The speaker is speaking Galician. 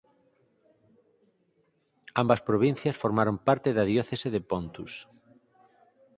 Ambas provincias formaron parte da diocese de Pontus.